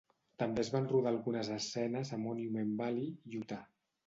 També es van rodar algunes escenes a Monument Valley, Utah.